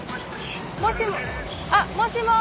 もしもし！